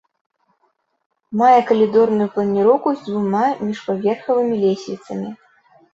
Мае калідорную планіроўку з дзвюма міжпаверхавымі лесвіцамі.